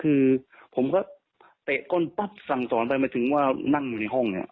คือผมก็เตะก้นปั๊บสั่งสอนไปมาถึงว่านั่งอยู่ในห้องเนี่ย